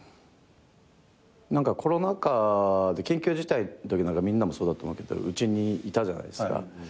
何かコロナ禍で緊急事態のときなんかみんなもそうだと思うけどうちにいたじゃないですか。